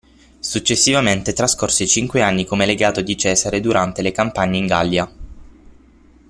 Successivamente trascorse cinque anni come "legato" di Cesare durante le campagne in Gallia.